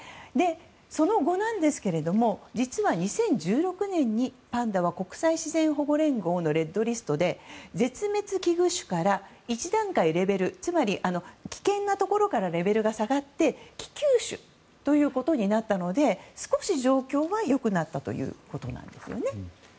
その後なんですが実は２０１６年にパンダは国際自然保護連合のレッドリストで絶滅危惧種から１段階レベルがつまり危険なところからレベルが下がって危急種ということになったので少し状況は良くなったということなんですよね。